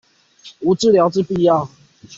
無治療之必要